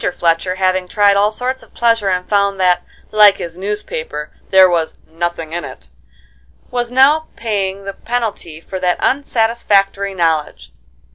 Fletcher, having tried all sorts of pleasure and found that, like his newspaper, there was "nothing in it," was now paying the penalty for that unsatisfactory knowledge.